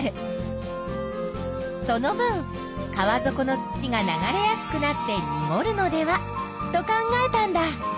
その分川底の土が流れやすくなってにごるのではと考えたんだ。